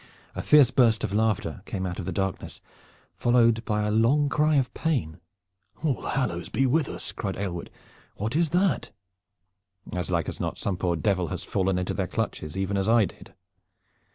A fierce burst of laughter came out of the darkness, followed by a long cry of pain. "All hallows be with us!" cried Aylward. "What is that?" "As like as not some poor devil has fallen into their clutches, even as I did.